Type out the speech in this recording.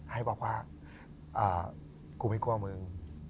ให้บอกว่ากูไม่กลัวมึง